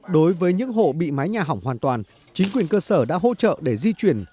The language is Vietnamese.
đối với những hộ bị mái nhà hỏng hoàn toàn chính quyền cơ sở đã hỗ trợ để di chuyển